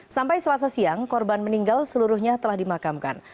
sampai selasa siang korban meninggal seluruhnya telah dimakamkan